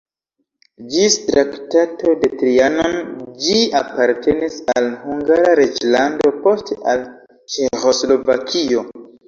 Ĝis Traktato de Trianon ĝi apartenis al Hungara reĝlando, poste al Ĉeĥoslovakio.